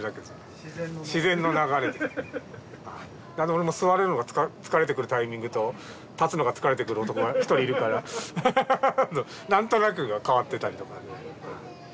俺も座るのが疲れてくるタイミングと立つのが疲れてくる男が一人いるから何となく代わってたりとか。